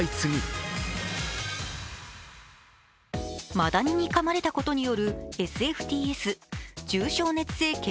マダニにかまれたことによるＳＦＴＳ＝重症熱性血